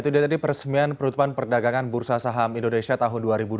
itu dia tadi peresmian penutupan perdagangan bursa saham indonesia tahun dua ribu dua puluh